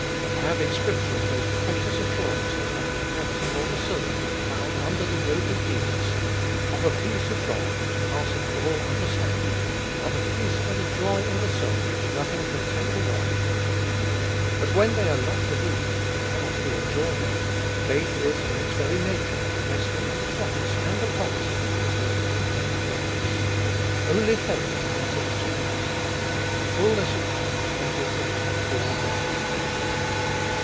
We have in Scripture the most precious assurances of a rest for the soul to be found under the yoke of Jesus, of a peace of God which passeth all under standing, of a peace and a joy in the soul which nothing can Ibolfest of BU 145 take away. But when they are not believed they cannot be enjoyed : faith is in its very nature a resting in the promise and the promiser until He fulfil it in us. Only faith can enter into rest. The fulness of faith enters into the full rest.